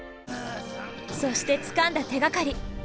そしてつかんだ手がかり。